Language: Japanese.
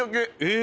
え